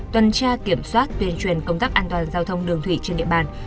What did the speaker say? tuần tra kiểm soát tuyên truyền công tác an toàn giao thông đường thủy trên địa bàn